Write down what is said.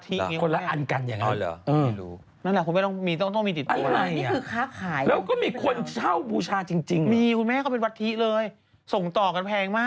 ตอนนี้ผมจะบอกว่าศักดิ์สิทธิ์ก็มีช่วงหนึ่งที่แบบ